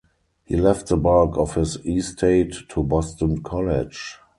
He left the bulk of his estate to Boston College.